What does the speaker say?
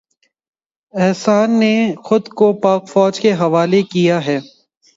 احسان نے خود کو پاک فوج کے حوالے کیا ہے